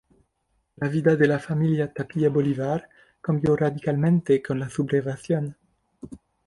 La vida de la familia Tapia Bolívar cambió radicalmente con la sublevación.